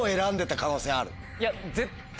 いや絶対。